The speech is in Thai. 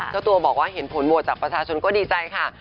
เจ้าตัวบอกว่าเห็นผลโหวตจากประชาชนก็ดีใจค่ะ